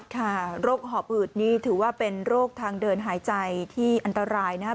โรคหอบอืดนี่ถือว่าเป็นโรคทางเดินหายใจที่อันตรายนะครับ